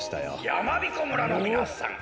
やまびこ村のみなさん。